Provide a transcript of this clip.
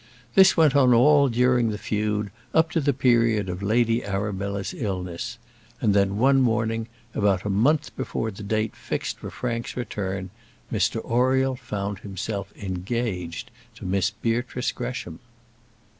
This went on all through the feud up to the period of Lady Arabella's illness; and then one morning, about a month before the date fixed for Frank's return, Mr Oriel found himself engaged to Miss Beatrice Gresham.